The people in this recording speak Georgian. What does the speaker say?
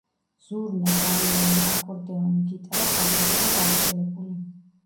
ზურნა, ბაიანი, აკორდეონი, გიტარა ფართოდ იყო გავრცელებული.